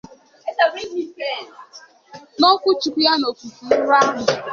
N'okwuchukwu ya n'òfùfè nrò ahụ